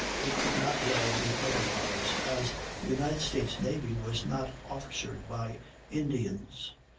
It could not well be otherwise, as the United States Navy was not officered by Indians.